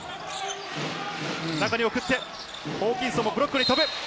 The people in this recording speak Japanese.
中に送ってホーキンソンもブロックに飛ぶ。